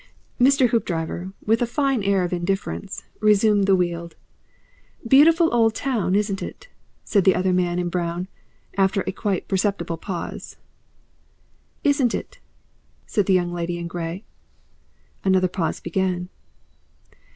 Mr. Hoopdriver, with a fine air of indifference, resumed the Weald. "Beautiful old town, isn't it?" said the other man in brown, after a quite perceptible pause. "Isn't it?" said the Young Lady in Grey. Another pause began.